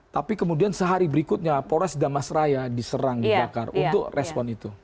tapi kemudian sehari berikutnya pores damas raya diserang dibakar untuk respon itu